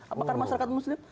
apakah masyarakat muslim